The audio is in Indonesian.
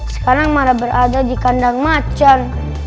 sekarang malah berada di kandang macan